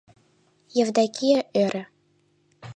— Евдокия ӧрӧ.